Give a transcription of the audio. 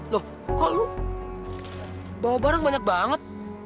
loh kok lu bawa barang banyak banget